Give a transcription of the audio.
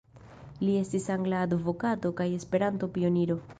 Li estis angla advokato kaj Esperanto-pioniro.